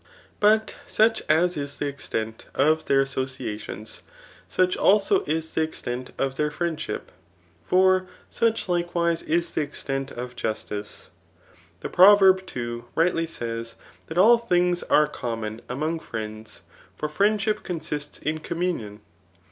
But such as is the extent of their associations, such also is the extent of their friendship ; for such likewise is the extent of justice. The prov^b^ too, rightly says, *' that all things are common among fri^ids ;'' for friendship consists in communion.